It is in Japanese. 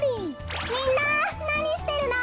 みんななにしてるの？